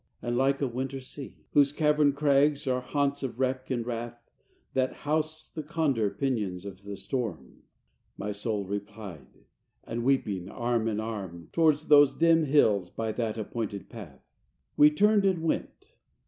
And like a winter sea, VIII Whose caverned crags are haunts of wreck and wrath, That house the condor pinions of the storm, My soul replied; and, weeping, arm in arm, To'ards those dim hills, by that appointed path, IX We turned and went.